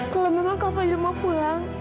kalau memang kak fadil mau pulang